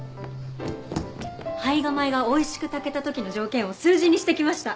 胚芽米がおいしく炊けた時の条件を数字にしてきました。